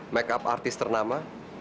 make up artis ternama